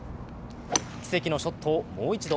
奇跡のショットをもう一度。